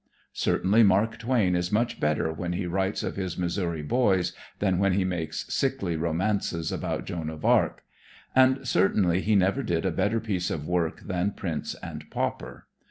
Certainly Mark Twain is much better when he writes of his Missouri boys than when he makes sickley romances about Joan of Arc. And certainly he never did a better piece of work than "Prince and Pauper."